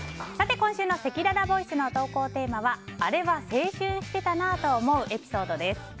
今週のせきららボイスの投稿テーマはあれは青春してたなぁと思うエピソードです。